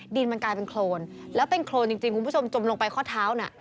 ดินมันกลายเป็นโครนแล้วเป็นโครนจริงคุณผู้ชมจมลงไปข้อเท้าน่ะ